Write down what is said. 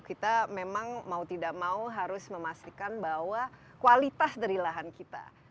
kita memang mau tidak mau harus memastikan bahwa kualitas dari lahan kita